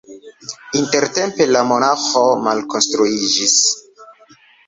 Intertempe la monaĥo malkonstruiĝis.